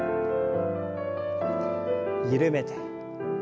緩めて。